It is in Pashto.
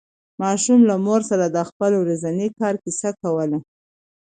ماشوم له مور سره د خپل ورځني کار کیسه کوله